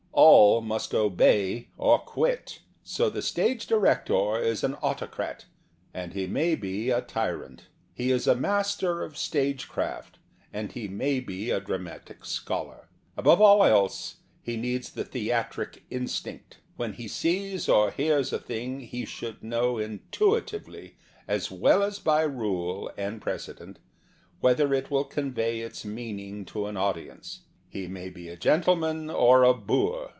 All must obey or quit. So the stage director is an autocrat, and he may be a tyrant. He is a master of stagecraft, and he may be a dramatic scholar. Above all else, he needs the theatric instinct. When he sees or hears a thing he should know intuitively, as well as by rule and prece dent, whether it will convey its meaning to an audience. He may be a gentleman or a boor.